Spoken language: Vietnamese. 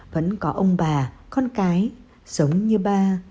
vẫn có ông bà con cái giống như ba